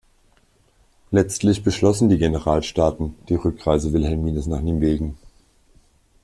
Letztlich beschlossen die Generalstaaten die Rückreise Wilhelmines nach Nimwegen.